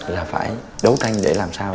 là phải đấu tranh để làm sao